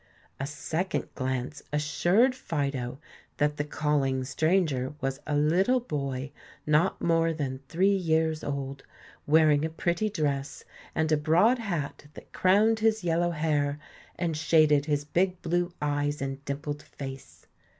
A second glance assured Fido that the calling stranger was a little boy not more than three years old, wearing a pretty dress, and a broad hat that crowned his yellow hair and shaded his big blue eyes and dimpled face.